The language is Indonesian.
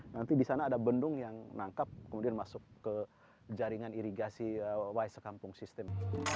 nanti di sana ada bendung yang nangkap kemudian masuk ke jaringan irigasi y sekampung system